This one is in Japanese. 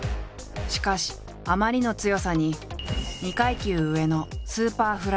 しかしあまりの強さに２階級上のスーパーフライ級へ。